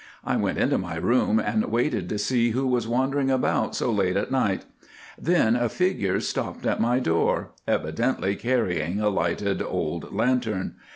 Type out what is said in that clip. I went into my room and waited to see who was wandering about so late at night. Then a figure stopped at my door, evidently carrying a lighted old lantern.